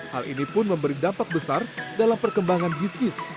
hal ini pun memberi dampak besar dalam perkembangan bisnis